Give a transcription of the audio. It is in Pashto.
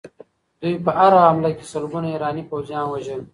دوی په هره حمله کې سلګونه ایراني پوځیان وژل.